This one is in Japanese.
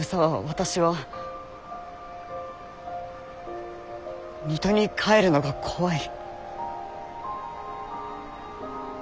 私は水戸に帰るのが怖い。